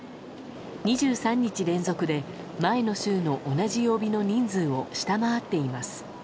２３日連続で前の週の同じ曜日の人数を下回っています。